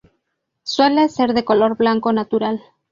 Suele ser de color blanco natural.